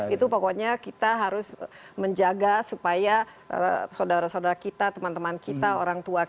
itu pokoknya kita harus menjaga supaya saudara saudara kita teman teman kita orang tua kita